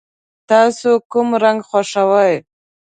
تاسو کوم رنګ خوښوئ؟